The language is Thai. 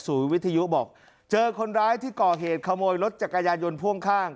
วิทยุบอกเจอคนร้ายที่ก่อเหตุขโมยรถจักรยานยนต์พ่วงข้าง